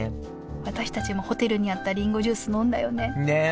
私たちもホテルにあったりんごジュース飲んだよねねえ。